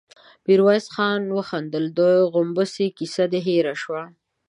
ميرويس خان وخندل: د غومبسې کيسه دې هېره شوه؟